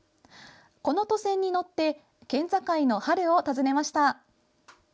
この渡船に乗って県境の春を訪ねました。